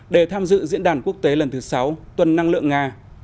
để tham dự diễn đàn quốc tế lần thứ sáu tuần năng lượng nga